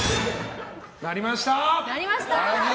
なりました！